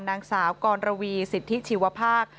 นางสาวกรวีสิทธิชีวภาค